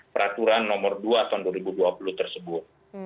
peraturan nomor dua tahun dua ribu dua puluh tersebut